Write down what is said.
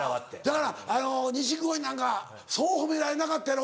だから錦鯉なんかそう褒められなかったやろ？